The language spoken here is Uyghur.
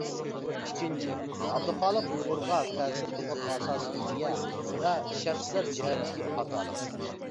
ئىككىنچى، ئابدۇخالىق ئۇيغۇرغا تەسىر قىلغان ئاساسىي ئىدىيە ۋە شەخسلەر جەھەتتىكى خاتالىق.